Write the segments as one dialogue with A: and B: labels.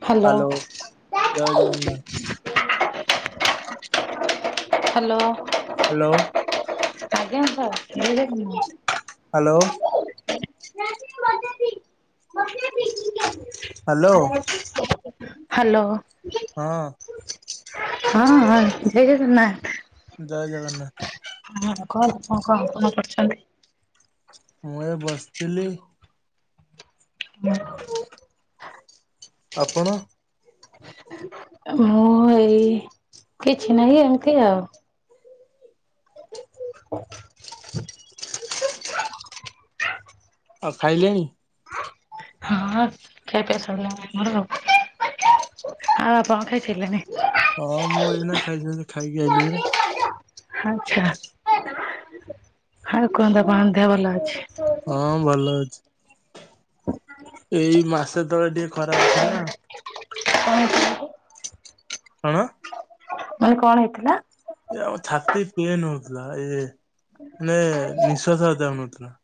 A: ହଁ [inaudible]
B: ହାଲୋ ଜୟ Jagannath.
A: Hello.
B: Hello.
A: ଆଜ୍ଞା [unintelligible]
B: ହ୍ୟାଲୋ। ହ୍ୟାଲୋ।
A: ହ୍ୟାଲୋ।
B: ହଁ।
A: ହଁ ହଁ ଜୟ ଜଗନ୍ନାଥ।
B: ଜୟ ଜଗନ୍ନାଥ।
A: [unintelligible] କଣ କରୁଚନ୍ତି।
B: ମୁଁ ଏ ବସିଥିଲି। ଆପଣ?
A: ମୁଁ ଏଇ କିଛି ନାହିଁ ଏମିତି ଆଉ। ଓ ହୋ
B: ଆଉ ଖାଇଲେଣି?
A: ହଁ ଖିଆ ପିଆ ସରିଲାଣି ଆମର ଆଉ। ଆଉ ଆପଣ ଖାଇସାରିଲେଣି?
B: ହଁ ମୁଁ ଏଇନା ଖାଇସରିଲି ଖାଇକି ଆଇଲି ବା।
A: ଆଛା ଆଉ କୁହନ୍ତୁ ଆପଣଙ୍କ ଦେହ ଭଲ ଅଛି?
B: ହଁ ଭଲ ଅଛି ଏଇ ମାସେ ତଳେ ଟିକେ ଖରାପ ଥିଲା।
A: [unintelligible]
B: କଣ?
A: ମୁଁ କହିଲି କଣ ହେଇଥିଲା?
B: ଏ ଆମ ଛାତି ପେନ୍ ହଉଥିଲା ଏଇ ମାନେ ନିଶ୍ଵାସ ଯାଉନଥିଲା।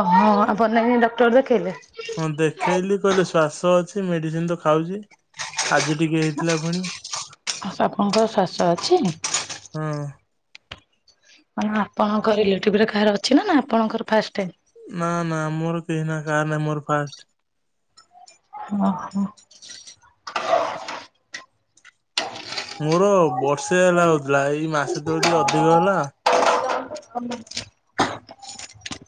A: ଓହୋ ଆଉ ଆପଣ୍ଡ ନେଇକି ଡକ୍ଟର ଦେଖେଇଲେ?
B: ହଁ ଦେଖେଇଲିି କହିଲେ ଶ୍ୱାସ ଅଛି ମେଡିସିନ ତ ଖାଉଚି। ଆଜି ଟିକେ ହେଇଥିଲା ପୁଣି
A: ଆପଣଙ୍କର ଶ୍ୱାସ ଅଛି?
B: ହଁ।
A: ମାନେ ଆପଣଙ୍କ ରିଲେଟିଭ ରେ କାହାର ଅଛି ନା ଆପଣଙ୍କର ଫାଷ୍ଟ?
B: ନା ନା ମୋର କେହି ନା କାହାର ନାଁ ମୋର ଫାଷ୍ଟ।
A: ଓ ହୋ।
B: ମୋର ବର୍ଷେ ହେଲା ହଉଥିଲା, ଏଇ ମାସେ ତଳେ ଟିକେ ଅଧିକ ହେଲା
A: [inaudible]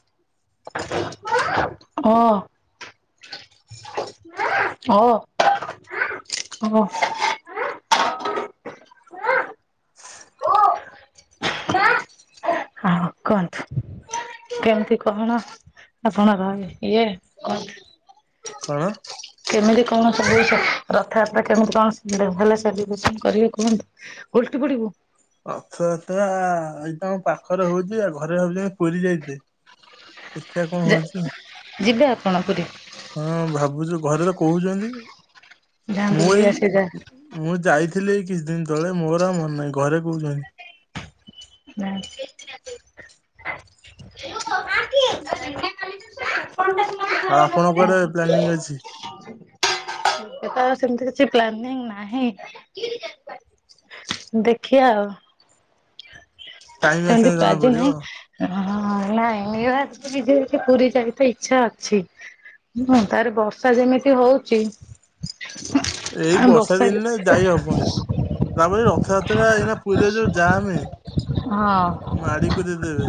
A: ଓ। ଓ ହଁ। ହଁ କୁହନ୍ତୁ। କେମିତି କଣ ଆପଣଙ୍କର ଇଏ କୁହନ୍ତୁ?
B: କଣ?
A: କେମିତି କଣ ସବୁ ସ ରଥଯାତ୍ରା କେମିତି କଣ [unintelligible] ସେଲିବ୍ରେସନ କରିବେ କୁହନ୍ତୁ? ଓଲଟି ପଡିବୁ।
B: ରଥଯାତ୍ରା ଏଇ ତ ଆମ ପାଖରେ ହଉଚି ଆ ଘରେ ଭାବୁଚନ୍ତି ପୁରୀ ଯାଇଚେ ଦେଖିଆ କଣ
A: ଯା
B: ହଉଚି,
A: ଯିବେ ଆପଣ ପୁରୀ?
B: ହଁ ଭାବୁଚୁ ଘରେ ତ କହୁଛନ୍ତି
A: ଯାଆନ୍ତୁ
B: ମୁଁ
A: ବୁଲି
B: ଏଇ
A: ଆସି ଯା
B: ମୁଁ ଯାଇଥିଲି ଏଇ କିଛିଦିନ ତଳେ ମୋର ଆଉ ମନ ନାହିଁ ଘରେ କହୁଛନ୍ତି।
A: [unintelligible] ଫୋନ୍ ଦେଖିଲ ନା।
B: ଆଉ ଆପଣଙ୍କର ପ୍ଲାନିଂ ଅଛି?
A: ଏଥର ସେମିତି କିଛି ପ୍ଲାନିଂ ନାହିଁ ଦେଖିଆ ଆଉ।
B: ଟାଇମ
A: ସେମତି
B: ଆସିଲେ ଜଣା
A: ପାଜି
B: ପଡିବ।
A: ନାହିଁ ହଁ ନାଇଁ ନୀଳାଦ୍ରି ବିଜେ [unintelligible] ପୁରୀ ଯାଇ ତ ଇଚ୍ଛା ଅଛି ହୁଁ ତାପରେ ବର୍ଷା ଯେମିତି ହଉଚି
B: ଏଇ ବର୍ଷା ଦିନରେ ଯାଇ ହବନି, ତାପରେ ରଥଯାତ୍ରା ଏଇନା ପୁରୀରେ ଯୋଉ ଯାମେ
A: ହଁ।
B: ମାଡି କୁରେଇ ଦେବେ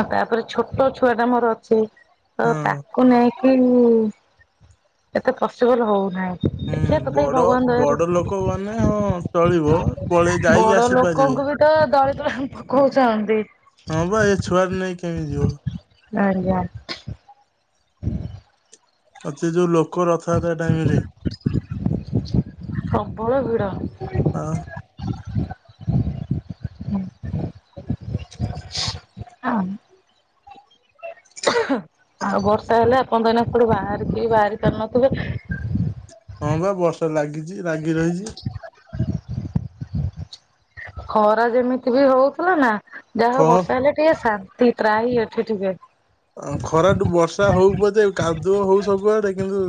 A: ଆଉ ତାପରେ ଛୋଟ ଛୁଆଟା ମୋର ଅଛି ତ
B: ହଁ।
A: ତା କୁ ନେଇକି ଏତେ ପସିବୁଲ ହଉନାହିଁ।
B: ହୁଁ
A: ଦେଖିବା ତଥାପି
B: ବଡ,
A: ଭଗବାନ ଦୟାରୁ
B: ବଡ ଲୋକ ଗନେ ହଁ ଚଳିବ, ପଳେଇ ଯାଇ
A: ବଡ
B: ଆସିପାରିବେ।
A: ଲୋକଙ୍କୁ ବି ତ ଦଳି ଦୁଳା ପକଉଚନ୍ତି।
B: ହଁ ବା ଏ ଛୁଆ ନେଇକି କେମିତି ଯିବ?
A: ଆଜ୍ଞା।
B: ଅ ସେ ଯୋଉ ଲୋକ ରଥଯାତ୍ରା ଟାଇମରେ।
A: ପ୍ରବଳ ଭିଡ
B: ହଁ।
A: ହୁଁ। ହଁ। ଆଉ ବର୍ଷା ହେଲେ ଆପଣ ତ ଏଇନା କୋଉଟି ବାହାରକୁ ବି ବାହାରି ପାରୁନଥିବେ।
B: ହଁ ବା ବର୍ଷା ଲାଗିଚି ଲାଗି ରହିଛି।
A: ଖରା ଯେମିତି ବି ହଉଥିଲା ନା ଯାହା
B: ଖ
A: ହଉ ବର୍ଷା ହେଲେ ଟିକେ ଶାନ୍ତି ତ୍ରାହି ଏଠି ଟିକେ।
B: ଆ ଖରାଠୁ ବର୍ଷା ହଉ ପଛେ ଆଉ କାଦୁଅ ହଉ ସବୁଆଡେ କିନ୍ତୁ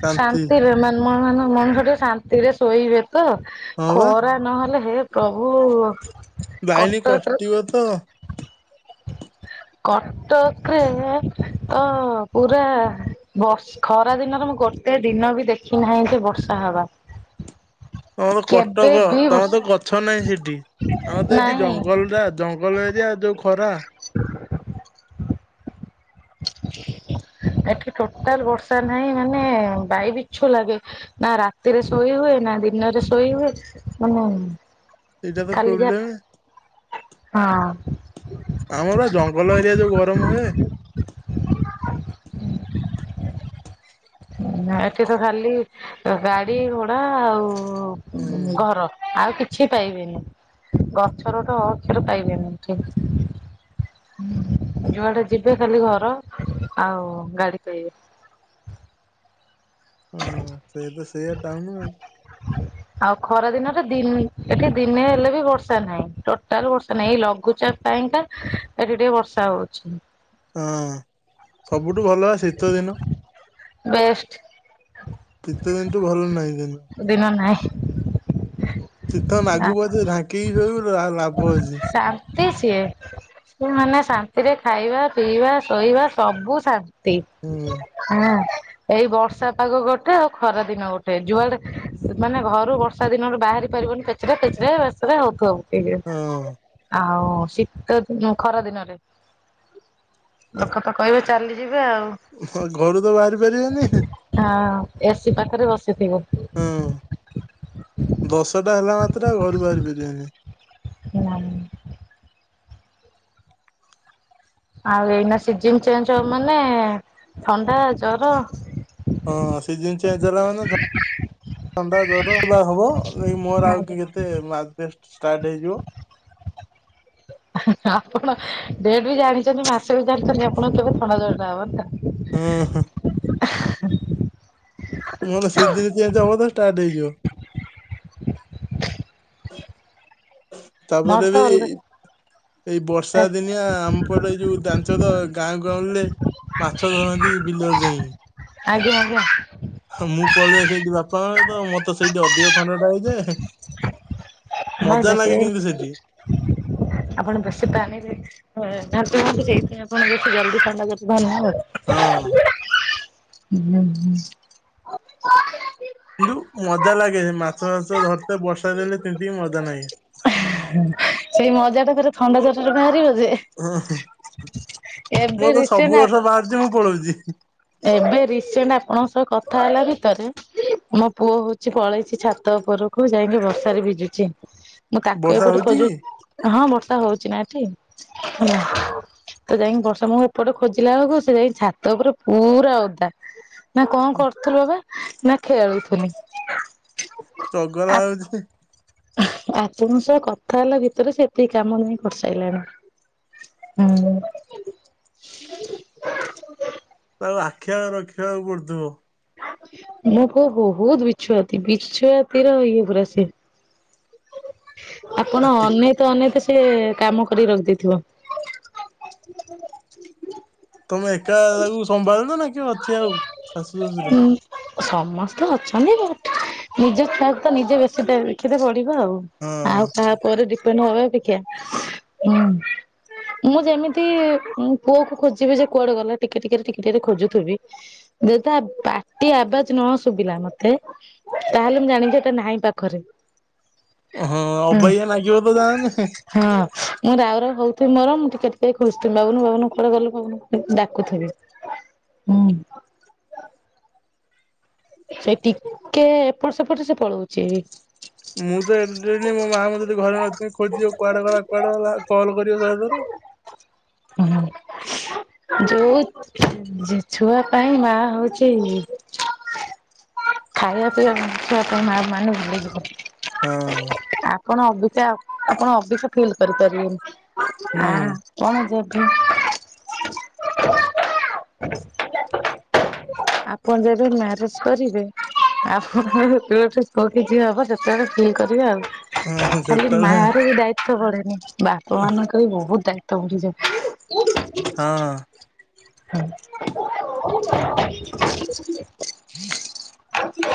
B: ଶାନ୍ତି
A: ଶାନ୍ତିରେ ମାନ ମ ମଣିଷ ଟିକେ ଶାନ୍ତିରେ ଶୋଇବେ ତ
B: ହଁ ବା
A: ଖରା ନହେଲେ ହେ ପ୍ରଭୁ
B: ଲାଇନି
A: କଟକରେ
B: କଟିବ ତ
A: କଟକରେ ତ ପୁରା ବର୍ଷ ଖରା ଦିନରେ ମୁଁ ଗୋଟେ ଦିନ ବି ଦେଖି ନାହିଁ ଯେ ବର୍ଷା ହବା।
B: ତମର
A: କେବେ
B: କଟକ,
A: ବି
B: ତମର
A: ବର୍ଷା
B: ତ ଗଛ ନାହିଁ ସେଠି, ଆମର ତ ଏଠି
A: ନାଇଁ
B: ଜଙ୍ଗଲଟା ଅ ଜଙ୍ଗଲ ଏରିଆ ଯୋଉ ଖରା।
A: [inaudible] ଏଠି ଟୋଟାଲ ବର୍ଷା ନାହିଁ ମାନେ ବାଇ ବିଛୁ ଲାଗେ। ନା ରାତିରେ ଶୋଇ ହୁଏ, ନା ଦିନରେ ଶୋଇ ହୁଏ, ମାନେ
B: ଏଇଟା ତ
A: ଖାଲି ଯା
B: ପ୍ରୋବ୍ଲେମେ।
A: ହଁ।
B: ଆମର ବା ଜଙ୍ଗଲ ଏରିଆ ଯୋଉ ଗରମ ହୁଏ।
A: ନା ଏଠି ତ ଖାଲି ଗାଡି ଘୋଡା ଆଉ
B: ହୁଁ।
A: ଘର ଆଉ କିଛି କିଛି ପାଇବେନି ଗଛ ର ତ ଅ ଅକ୍ଷର ପାଇବେନି ଏ ଯୁଆଡେ ଯିବେ ଖାଲି ଘର ଆଉ ଗାଡି ପାଇବେ।
B: ହଁ ସେଇ ତ ସେଇଆ ଟାଉନୁ ଆଉ
A: ହଁ [inaudible] ଆଉ ଖରା ଦିନରେ ଦିନ ଏଠି ଦିନେ ହେଲେ ବି ବର୍ଷା ନାହିଁ ଟୋଟାଲ ବର୍ଷା ନାହିଁ ଏଇ ଲଘୁଚାପ ପାଇଁକା ଏଠି ଟିକେ ବର୍ଷା ହଉଛି।
B: ହଁ ସବୁଠୁ ଭଲ ବା ଶୀତ ଦିନ।
A: ବେଷ୍ଟ
B: ଶୀତ ଦିନ ଠୁ ଭଲ ନାହିଁ ଦିନ
A: ଦିନ ନହିଁ।
B: ଶୀତ ନାଗୁ ପଛେ ଢାଙ୍କି ହେଇ ରହିବୁ ଲା ଲାଭ ଅଛି।
A: ଶାନ୍ତି ସିଏ ସେ ମାନେ ଶାନ୍ତିରେ ଖାଇବା ପିଇବା ଶୋଇବା ସବୁ ଶାନ ତି,
B: ହୁଁ
A: ହଁ ଏଇ ବର୍ଷା ପାଗ ଗୋଟେ, ଆଉ ଖରା ଦିନ ଗୋଟେ, ଯୁଆଡେ ମାନେ ଘରୁ ବର୍ଷା ଦିନରୁ ବାହାରି ପାରିବନି କେତ ପେଚରେ ପେଚରେ ପେଚରେ ହଉଥିବ ପକେଇକି।
B: ହଁ
A: ଆଉ ଶୀ ତ ଉଁ ଖରା ଦିନରେ ଲୋକ ତ କହିବେ ଚାଲିଯିବେ ଆଉ।
B: ହ ଘରୁ ତ ବାହାରି ପାରିବେନି।
A: ହଁ ଏସି ପାଖରେ ବସିଥିବ।
B: ହଁ ଦଶଟା ହେଲା ମାତ୍ରେ ଆଉ ଘରୁ ବାହାରି ପାରିବାନି।
A: ନାଇଁ ଆଉ ଏଇନା ସିଜନ ଚେଞ୍ଜ ହବ ମାନେ ଥଣ୍ଡା ଜର।
B: ହଁ ସିଜିନ ଚେଞ୍ଜ ହେଲା ମାନେ ଥ ଥଣ୍ଡା ଜର ପୁରା ହବ। ଏଇ ମୋର ଆଉ
A: ଆଜ୍ଞା
B: କେତେ ମାସେ ଷ୍ଟାଟ ହେଇଯିବ।
A: ଆପଣ ଡେଟ୍ ବି ଜାଣିଚନ୍ତି ମାସେ ଭିତରେ ତାହେଲେ ଆପଣ କେବେ ଥଣ୍ଡା ଜରଟା ହବ ନା।
B: ହୁଁ ହୁଁ ମୁଁ ତ ସିଜିନ ଚେଞ୍ଜ ହବ ତ ଷ୍ଟାର୍ଟ ହେଇଯିବ।
A: ମୋର
B: ତାପରେ
A: ତ
B: ବି
A: ଅଲରେ
B: ଏଇ ବର୍ଷା ଦିନିଆ ଆମପଟେ ଏଇ ଯୋଉ ଜାଣିଚ ତ ଏଇ ଗାଁ ଗାଉଁଲି ରେ। ମାଛ ଧରନ୍ତି ବିଲରେ ଯାଇକି।
A: ଆଜ୍ଞା ଆଜ୍ଞା
B: ହଁ ମୁଁ ପଳେଇ ଆସିବି ସେଇଠି ବାପା ମା ତ ମତେ ସେଇଠି ଅଧିକ ଥଣ୍ଡା ଟା ହେଇଯାଏ।
A: ଭାଇ
B: ମଜା
A: ବେଶୀ
B: ନାଗେ କିନ୍ତୁ ସେଠି।
A: [inaudible] ଆପଣ ବେଶୀ ପାଣିରେ ଘାଣ୍ଟି ଘାଣ୍ଟି ଦେଇଥିବେ ଆପଣ ବେଶୀ ଜଲଦି ଥଣ୍ଡା ଜର [unintelligible]
B: ହଁ
A: [unintelligible]
B: କିନ୍ତୁ ମଜା ଲାଗେ ମାଛ ଫାଛ ଧରିତେ ବର୍ଷା ଦେଲେ ତିନ୍ତି କି ସେମିତିି ମଜା ନାଗେ।
A: ସେଇ ମଜାଟା ପରେ ଥଣ୍ଡା ଜରରେ ବାହାରିବ। ଯେ
B: ଓହୋ
A: ଏବେ
B: ମୋର ତ ସବୁ
A: ରିସେଣ୍ଟ
B: ବର୍ଷ ବାହାରୁଚି ମୁଁ ପଳଉଚି।
A: ଏବେ ରିସେଣ୍ଟ ଆପଣଙ୍କ ସହ କଥା ହେଲା ଭିତରେ ମୋ ପୁଅ ହଉଚି ପଳେଇଚି ଛାତ ଉପରକୁ ଯାଇକି ବର୍ଷାରେ ଭିଜୁଚି। ମୁଁ ତାକୁ
B: ବର୍ଷା
A: ଏପଟେ
B: ହଉଛି
A: ଖୋଜୁ
B: କି?
A: ହଁ ବର୍ଷା ହଉଚି ନା ଏଠି। ହଁ ତ ଯାଇକି ବର୍ଷା ମୁଁ ଏପଟେ ଖୋଜିଲା ବେଳକୁ ସେ ଯାଇ ଛାତ ଉପରେ ପୁରା ଓଦା ନା କଣ କରୁଥିଲୁ ବାବା ନା ଖେଳୁଥିଲି।
B: ଚଗଲା
A: ଆ
B: ହଉଚି
A: ଆପଣଙ୍କ ସହ କଥା ହେଲା ଭିତରେ ସେ ଏତିକି କାମ ନେଇ କରିସାଇଲାଣି। ହୁଁ
B: ତାକୁ ଆଖିଆଗରେ ରଖିବାକୁ ପଡୁଥିବ।
A: ମୋ ପୁଅ ବହୁତ ବିଛୁଆତି ବିଛୁଆତିର ଇଏ ପୁରା ସେ ଆପଣ
B: ଆଟି
A: ଅନେତ ଅନେଇତେ ସିଏ କାମ କରି ରଖିଦେଇଥିବ।
B: ତମେ ଏକା ତାକୁ ସମ୍ଭାଳୁଚ ନା କିଏ ଅଛି ଆଉ? ଶାଶୁ ଶ୍ୱଶୁର?
A: ଉଁ ସମସ୍ତେ ଅଛନ୍ତି ବଟ ନିଜ ଛୁଆକୁ ତ ନିଜେ ବେଶୀ ଦେ କେବେ ବଢିବ ଆଉ ଆଉ
B: ହଁ
A: କାହା ଉପରେ ଡିପେଣ୍ଡ ହବା ଅପେକ୍ଷା ହୁଁ ମୁଁ ଯେମିତି ପୁଅକୁ ଖୋଜିବି ଯେ କୁଆଡେ ଗଲା ଟିକେ ଟିକେରେ ଟିକେ ଟିକେରେ ଖୋଜୁଥିବି। ଯଦି ତା ପାଟି ଆବାଜ ନ ଶୁବିଲା ମତେ ତାହେଲେ ମୁଁ ଜାଣିବି ଯେ ଏଟା ନାହିଁ ପାଖରେ।
B: ହଁ
A: ହୁଁ
B: ଅବାଗିଆ ଲାଗିବ ତ ଯାହାହେଲେ।
A: ହଁ ମୁଁ ରାଉ ରାଉ ହଉଥିବି ମୋର ମୁଁ ଟିକେ ଟିକେ ଖୋଜଥିବି ବାବୁନୁ ବାବୁନଙ୍କୁ କୁଆଡେ ଗଲୁ ବାବୁନୁ ଡାକୁଥିବି। ହୁଁ ସେ ଟିକେ ଏପଟ ସେପଟ ସେ ପଳଉଚି।
B: ମୁଁ ତ ଏଡେଟେ ହେଲିଣି ମୋ ମା ମତେ ଯଦି ଘରେ ନଥିବି ଖୋଜିବ କୁଆଡେ ଗଲା କୁଆଡେ ଗଲା କଲ କରିବ ସହେଥର।
A: ଉହୁଁ ଯୋଉ ଛୁଆ ପାଇଁ ମା ହଉଚି ଖାଇବା ପିଇବା ଛୁଆ କଣ ମା ମାନୁ। [unintelligible]
B: ହଁ।
A: ଆପଣ ଅବିକା ଆପଣ ଅବିକା ଫିଲ୍ କରିପାରିବେନି ଆ
B: ହୁଁ।
A: କଣ ଦେବି ଆପଣ ଯେବେ ମ୍ୟାରେଜ କରିବେ ଆପଣ ସେତେବେଳେଠକୁ ପୁଅ କି ଝିଅ ହବ ଯେତେବେଳେ ଫିଲ୍ କରିବେ ଆଉ।
B: ହଁ
A: ଖାଲି
B: ସେତେବେଳେ
A: ମାର ବି ଡାୟ ଦ ବଢେନି ବାପା ମାନଙ୍କ ବି ବହୁତ ଦାୟିତ୍ଵ ବଢିଯାଏ।
B: ହଁ।
A: [unintelligible]
B: ହଁ
A: ହୁଁ।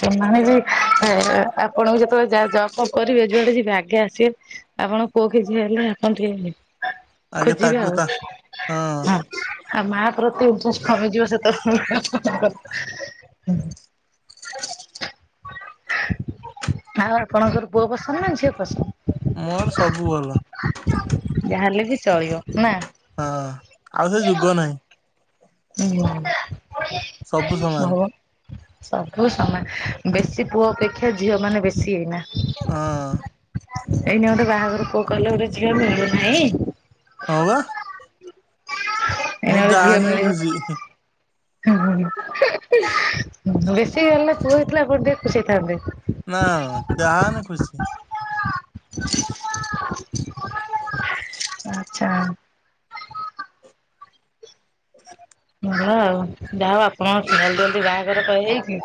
A: ସେମାନେ ବି ଆପଣଙ୍କୁ ଯେତେବେଳେ ଜା ଜକ କରିବେଯୁଆଡେ ଯିବେ ଆଗେ ଅସିବେ ଆସିବେ ଆପଣ ପୁଅ କି ଝିଅ ହେଲେ ଆପଣ ଟିକେ ହେଲେ
B: ଆଗେ
A: ଖୋଜିବା
B: ତାକୁ
A: ଆଉ
B: ତା
A: ହଁ।
B: ହଁ
A: ଆଉ ମା ପ୍ରତି ଇଣ୍ଟଷ୍ଟ କମିଯିବ ସେତେବେ ଆଉ ଆପଣଙ୍କର ପୁଅ ପସନ୍ଦ ନା ଝିଅ ପସନ୍ଦ?
B: ମୋର ସବୁ ଭଲ।
A: ଯାହେଲେ ବି ଚଳିବ ନା।
B: ହଁ ଆଉ ସେ ଯୁଗ ନାହିଁ।
A: ହୁଁ
B: ସବୁ ସମାନ।
A: ସବୁ ସମାନ ବେଶୀ ପୁଅ ଅପେକ୍ଷା ଝିଅ ମାନେ ବେଶୀ ଏଇନା।
B: ହଁ।
A: ଏଇନି ଗୋଟେ ବାହାଘର ପୋଉ କହିଲ ଗୋଟେ ଝିଅ ମିଳୁନାହିଁ।
B: ହଉ ବା।
A: ଏଇନା
B: ମୋର
A: ଗୋଟେ
B: ଯାହା
A: ଝିଅ
B: ହେଲେ ବି
A: ମିଳିବ।
B: ଖୁସି।
A: ବେଶୀ ହେଲେ ପୁଅ ହେଇଥିଲା ଆପଣ ଟିକେ ଖୁସି ହେଇଥାନ୍ତି।
B: ନା ଯାହାନ ଖୁସି।
A: ଆଚଛା। ହ ଆଉ ଯାହା ଆପଣଲ ଜି ବାହାଘର କହି ହେଇକି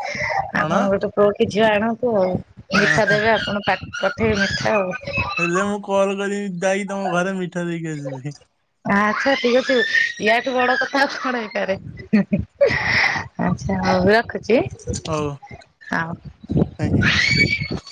B: କଣ
A: ଆପଣ ଗୋଟେ ତୋଉ କି ଝିଅ ଆଣନ୍ତୁ ଆଉ
B: ହଁ
A: ମିଠା
B: ହଁ।
A: ଦେବେ ଆପଣ ପଠେଇବେ ମିଠା ଆଉ।
B: ହେଲେ ମୁଁ କଲ୍ କରିି ଯାଇକି ତମ ଘରେ ମିଠା ଦେଇକି ଆସିବି।
A: ଆଚ୍ଛା ଠିକ ଅଛ ୟାଠୁ ବଡ କଥାଉ କଣ ହେଇପାରେ। ଆଚଛା ହଉ ରଖୁଛି।
B: ହଉ ଥ୍ୟାଙ୍କ ୟୁ।
A: ହଁ।